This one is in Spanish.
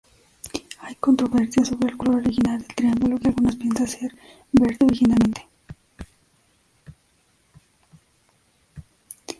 Hay controversia sobre el color original del triángulo, que algunos piensan ser verde originalmente.